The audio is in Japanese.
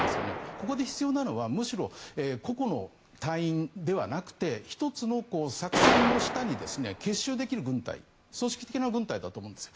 ここで必要なのはむしろ個々の隊員ではなくて１つの作戦の下に結集できる軍隊組織的な軍隊だと思うんです。